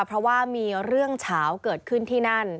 เพราะว่ามีเรื่องเฉาเกิดขึ้นที่นั่น